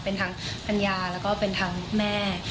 เป็นทั้งภรรยาแล้วก็เป็นทั้งแม่